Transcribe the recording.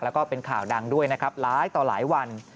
แล้วก็เป็นข่าวดังด้วยนะครับหลายต่อหลายวัน